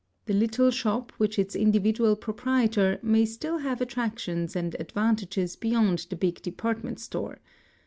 The little shop with its individual proprietor may still have attractions and advan tages beyond the big department store.